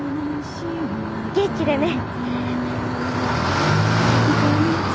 元気でね。